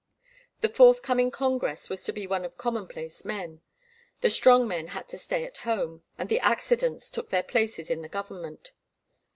The forthcoming Congress was to be one of commonplace men. The strong men had to stay at home, and the accidents took their places in the government.